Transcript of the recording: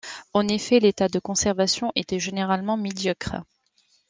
En effet, l'état de conservation était généralement médiocre.